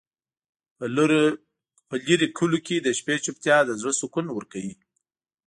په لرې کلیو کې د شپې چوپتیا د زړه سکون ورکوي.